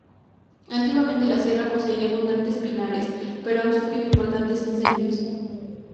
Antiguamente la sierra poseía abundantes pinares, pero han sufrido importantes incendios.